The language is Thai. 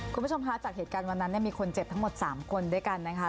คุณผู้ชมคะจากเหตุการณ์วันนั้นมีคนเจ็บทั้งหมด๓คนด้วยกันนะคะ